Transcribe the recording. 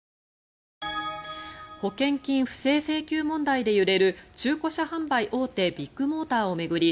保険金不正請求問題で揺れる中古車販売大手ビッグモーターを巡り